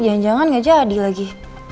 jangan jangan nggak jadi lagi